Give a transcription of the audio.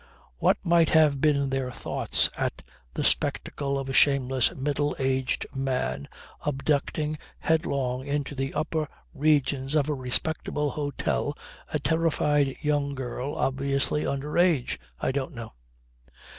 What might have been their thoughts at the spectacle of a shameless middle aged man abducting headlong into the upper regions of a respectable hotel a terrified young girl obviously under age, I don't know.